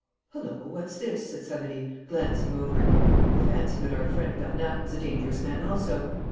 'Hullo, what's this?' said Savary, glancing over it. 'I fancy that our friend Bernac was a dangerous man also.